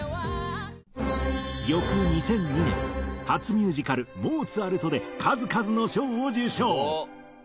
翌２００２年初ミュージカル『モーツァルト！』で数々の賞を受賞。